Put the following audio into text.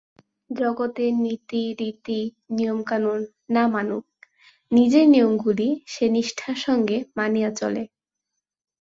জগতের নীতি রীতি নিয়মকানুন না মানুক, নিজের নিয়মগুলি সে নিষ্ঠার সঙ্গে মানিয়া চলে।